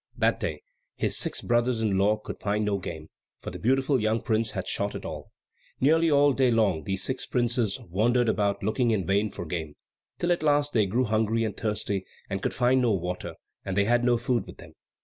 That day his six brothers in law could find no game, for the beautiful young prince had shot it all. Nearly all the day long these six princes wandered about looking in vain for game; till at last they grew hungry and thirsty, and could find no water, and they had no food with them.